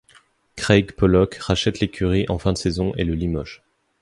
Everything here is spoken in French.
Craig Pollock rachète l'écurie en fin de saison et le limoge.